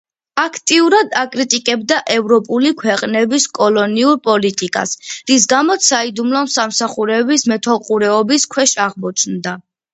აქტიურად აკრიტიკებდა ევროპული ქვეყნების კოლონიურ პოლიტიკას, რის გამოც საიდუმლო სამსახურების მეთვალყურეობის ქვეშ აღმოჩნდა.